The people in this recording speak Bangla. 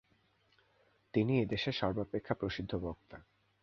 তিনি এ দেশের সর্বাপেক্ষা প্রসিদ্ধ বক্তা।